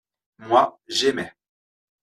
Moi, j’aimais.